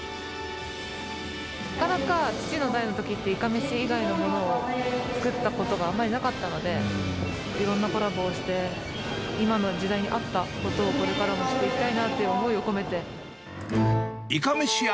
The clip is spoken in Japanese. なかなか父の代のときって、いかめし以外のものを作ったことがあまりなかったので、いろんなコラボをして、今の時代に合ったことを、これからもしていきたいなという思いをいかめし愛